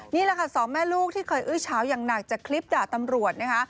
นี่แหละค่ะสองแม่ลูกที่เคยอื้อเฉาอย่างหนักจากคลิปด่าตำรวจนะคะ